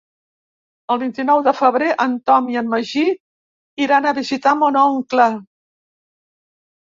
El vint-i-nou de febrer en Tom i en Magí iran a visitar mon oncle.